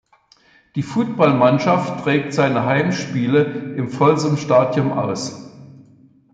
Die Football-Mannschaft trägt seine Heimspiele im Folsom Stadium aus.